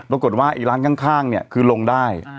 ปรากฏว่าไอ้ร้านข้างเนี่ยคือลงได้